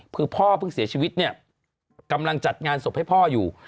คือพ่อเพิ่งเสียชีวิตเนี่ยกำลังจัดงานศพให้พ่ออยู่